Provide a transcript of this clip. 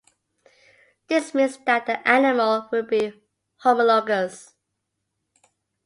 This means that the animal will be homologous.